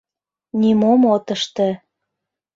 Нимом от ыште.